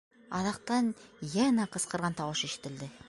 Аҙаҡтан йәнә ҡысҡырған тауыш ишетелде: